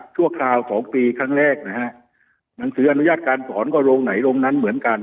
ชั่วคราวสองปีครั้งแรกนะฮะหนังสืออนุญาตการสอนก็โรงไหนโรงนั้นเหมือนกัน